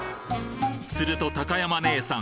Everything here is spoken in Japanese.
すると高山姉さん